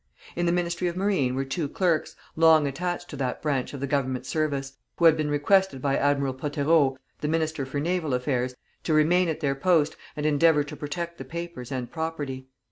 In the Ministry of Marine were two clerks, long attached to that branch of the Government service, who had been requested by Admiral Pothereau, the Minister for Naval Affairs, to remain at their post and endeavor to protect the papers and property.